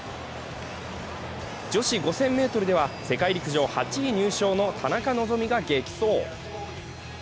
女子５０００ｍでは世界陸上８位入賞の田中希実が激走。